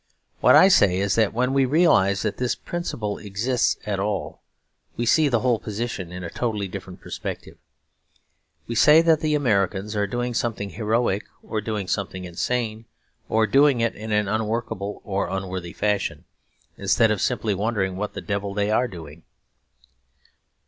What I say is that when we realise that this principle exists at all, we see the whole position in a totally different perspective. We say that the Americans are doing something heroic, or doing something insane, or doing it in an unworkable or unworthy fashion, instead of simply wondering what the devil they are doing.